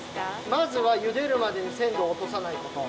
まずはゆでるまでにせんどをおとさないこと。